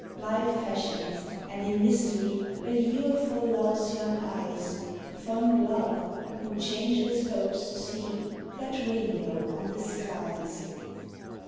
Life fashions, and in mystery, A lure for Love's young eyes Fond Love, who changeless hopes to see That rainbow on the skies!